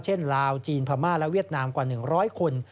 ลาวจีนพม่าและเวียดนามกว่า๑๐๐คน